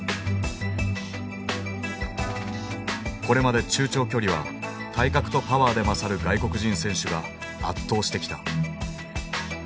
これまで中長距離は体格とパワーで勝る外国人選手が圧倒してきた。